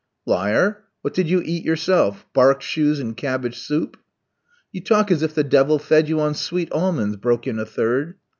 "Liar! what did you eat yourself? Bark shoes and cabbage soup?" "You talk as if the devil fed you on sweet almonds," broke in a third.